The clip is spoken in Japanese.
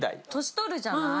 年取るじゃない。